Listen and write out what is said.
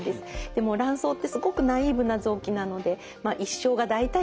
でも卵巣ってすごくナイーブな臓器なので一生が大体５０年間。